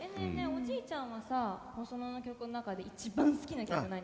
おじいちゃんはさホソノの曲の中で一番好きな曲何？